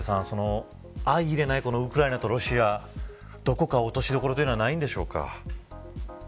岡部さん、相容れないウクライナとロシアどこか落としどころというのはないんでしょうか。